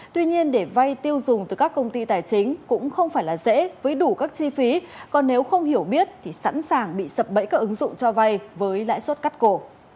tuy nhiên để vay tiêu dùng từ các công ty tài chính cũng không phải là dễ với đủ các chi phí còn nếu không hiểu biết thì sẵn sàng bị sập bẫy các ứng dụng cho vay với lãi suất cắt cổ